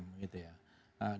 dengan ada balance of power